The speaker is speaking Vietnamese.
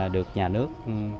được nhà nước